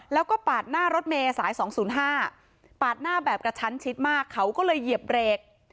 แล้วก็ปาดหน้ารถเมย์สาย๒๐๕ปาดหน้าแบบกระชั้นชิดมากเขาก็เลยเหยียบเบรก